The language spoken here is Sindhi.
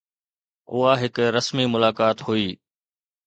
اها هڪ رسمي ملاقات هئي.